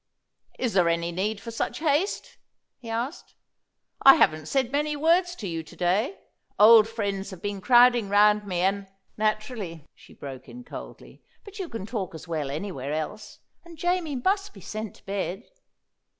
"Is there any need for such haste?" he asked. "I haven't said many words to you to day. Old friends have been crowding round me, and " "Naturally," she broke in coldly; "but you can talk as well anywhere else. And Jamie must be sent to bed."